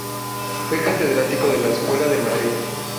Fue catedrático de la Escuela de Madrid.